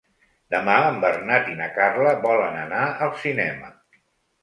Demà en Bernat i na Carla volen anar al cinema.